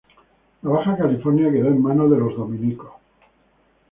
La Baja California quedó en manos de los dominicos